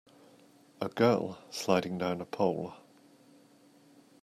A girl sliding down a pole